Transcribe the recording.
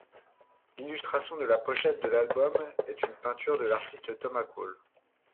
L'illustration de la pochette de l'album est une peinture de l'artiste Thomas Cole.